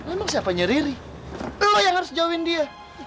emang siapanya riri lo yang harus jauhin dia